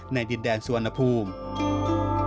ดินแดนสุวรรณภูมิ